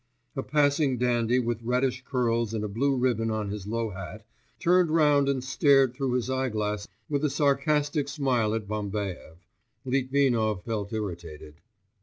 A passing dandy with reddish curls and a blue ribbon on his low hat, turned round and stared through his eyeglass with a sarcastic smile at Bambaev. Litvinov felt irritated.